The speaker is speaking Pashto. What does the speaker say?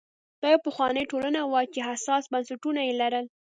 دا یوه پخوانۍ ټولنه وه چې حساس بنسټونه یې لرل.